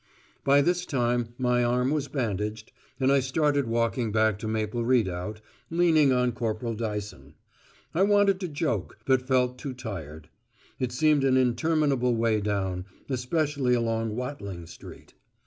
By this time my arm was bandaged and I started walking back to Maple Redoubt, leaning on Corporal Dyson. I wanted to joke, but felt too tired. It seemed an interminable way down, especially along Watling Street.